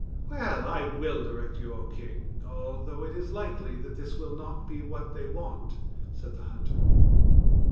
"Well, I will direct you, O king, although it is likely that this will not be what they want," said the hunter.